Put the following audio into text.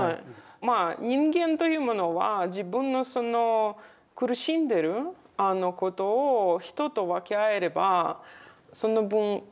まあ人間というものは自分のその苦しんでることを人と分け合えればその分軽くなりますから。